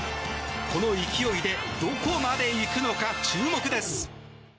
この勢いでどこまで行くのか注目です。